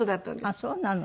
あっそうなの。